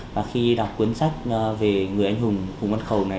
và khi đọc cuốn sách về người anh hùng phùng văn khẩu này